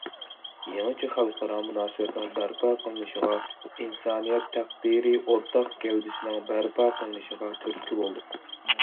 يېڭىچە خەلقئارا مۇناسىۋەتنىڭ بەرپا قىلىنىشىغا، ئىنسانىيەت تەقدىرى ئورتاق گەۋدىسىنىڭ بەرپا قىلىنىشىغا تۈرتكە بولدۇق.